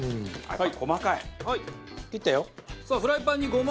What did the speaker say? はい。